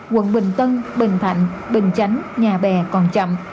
quận bình tân bình thạnh bình chánh nhà bè còn chậm